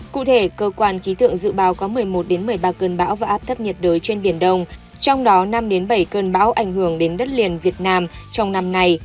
cụ thể cơ quan ký tượng dự báo có một mươi một một mươi ba cơn bão và áp thấp nhiệt đới trên biển đông trong đó năm bảy cơn bão ảnh hưởng đến đất liền việt nam trong năm nay